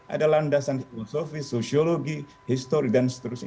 ada landasan filosofis sosiologi histori dan seterusnya